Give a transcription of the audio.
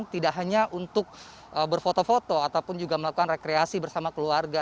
tidak hanya untuk berfoto foto ataupun juga melakukan rekreasi bersama keluarga